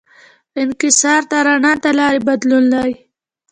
انکسار د رڼا د لارې بدلول دي.